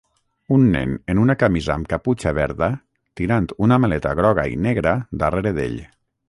Un nen en una camisa amb caputxa verda tirant una maleta groga i negra darrere d'ell.